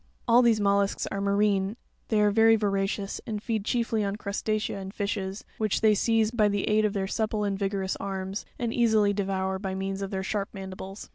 14, All these mollusks are marine: they are very voracious, and feed chiefly on crustacea and _ fishes, which they seize by the aid of their supple and vigorous arms, and easily devour by means of their sharp mandibles.